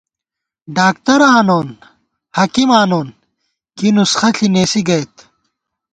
ڈاکترآنون حکیم آنون کی نُسخہ ݪی نېسی گئیت